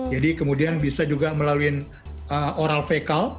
jadi kemudian bisa juga melalui oral fekal